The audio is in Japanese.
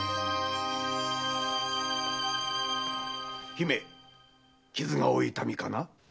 姫傷がお痛みかな？